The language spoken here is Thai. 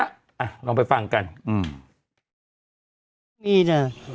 อ่ะลองไปฟังกัน